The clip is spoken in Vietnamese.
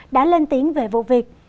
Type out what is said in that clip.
đã lên tiếng về vụ việc